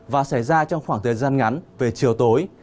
và xảy ra trong khoảng thời gian ngắn về chiều tối